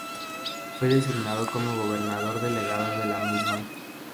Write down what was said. Fue designado como gobernador delegado de la misma.